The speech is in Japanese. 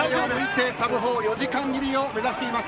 サブ４、４時間切りを目標にしています。